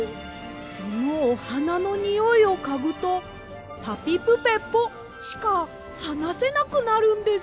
そのおはなのにおいをかぐと「ぱぴぷぺぽ」しかはなせなくなるんです。